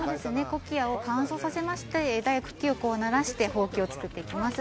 コキアを乾燥させまして茎をならしてほうきを作っていきます。